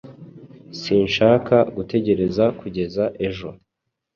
Sinshaka gutegereza kugeza ejo.